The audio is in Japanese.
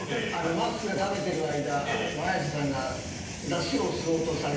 まっすーが食べてる間綾瀬さんが。